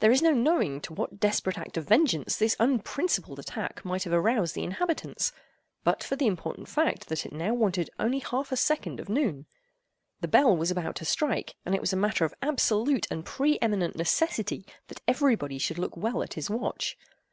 There is no knowing to what desperate act of vengeance this unprincipled attack might have aroused the inhabitants, but for the important fact that it now wanted only half a second of noon. The bell was about to strike, and it was a matter of absolute and pre eminent necessity that every body should look well at his watch.